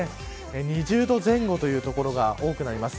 ２０度前後という所が多くなります。